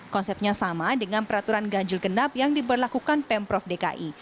konsepnya sama dengan peraturan ganjil genap yang diberlakukan pemprov dki